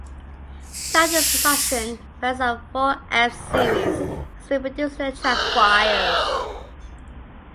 Throughout its production, variants of the Ford F-Series has been produced to attract buyers.